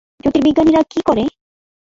জ্যোতির্বিজ্ঞানীরা কী করে?